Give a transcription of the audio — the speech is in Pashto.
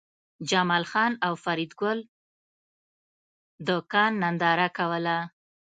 جمال خان او فریدګل د کان ننداره کوله